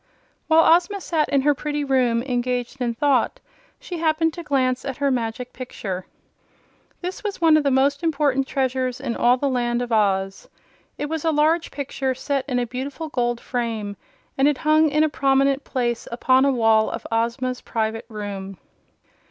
While Ozma sat in her pretty room engaged in thought she happened to glance at her Magic Picture. This was one of the most important treasures in all the Land of Oz. It was a large picture, set in a beautiful gold frame, and it hung in a prominent place upon a wall of Ozma's private room.